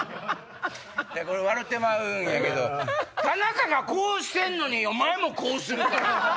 これ笑うてまうんやけど田中がこうしてんのにお前もこうするから。